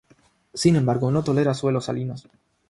Sin embargo no tolera suelos salinos.